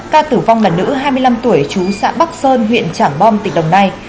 ca tử vong là nữ hai mươi năm tuổi chú xã bắc sơn huyện trảng bom tỉnh đồng nai